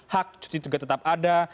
hak cuti juga tetap ada